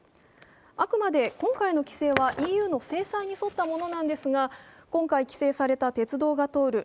あくまで今回の規制はＥＵの制裁に沿ったものなんですが、今回規制された鉄道が通る